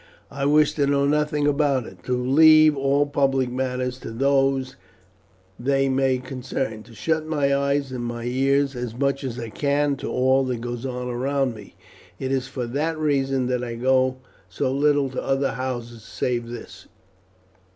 I wish to know nothing about it; to leave all public matters to those they may concern; to shut my eyes and my ears as much as I can to all that goes on around me. It is for that reason that I go so little to other houses save this.